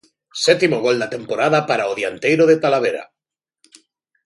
Sétimo gol da temporada para o dianteiro de Talavera.